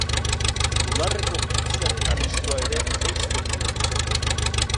Bularreko minbiziaren arriskua ere jaisten du.